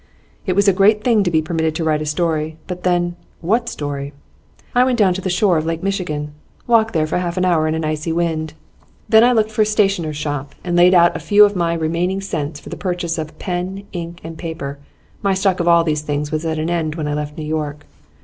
'It was a great thing to be permitted to write a story, but then what story? I went down to the shore of Lake Michigan; walked there for half an hour in an icy wind. Then I looked for a stationer's shop, and laid out a few of my remaining cents in the purchase of pen, ink, and paper my stock of all these things was at an end when I left New York.